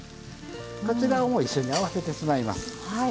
こちらをもう一緒に合わせてしまいます。